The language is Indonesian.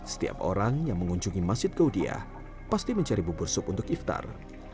setiap orang yang mengunjungi masjid gaudiah pasti mencari bubur sup untuk iftar